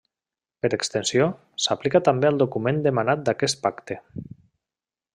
Per extensió, s'aplicà també al document emanat d'aquest pacte.